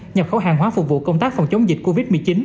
nhập khẩu hàng hóa phục vụ công tác phòng chống dịch covid một mươi chín